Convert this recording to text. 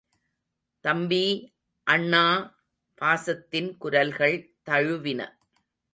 தம்பி! அண்ணா! பாசத்தின் குரல்கள் தழுவின.